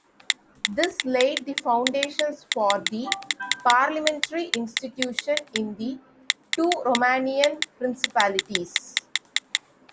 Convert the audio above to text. This laid the foundations for the parliamentary institution in the two Romanian principalities.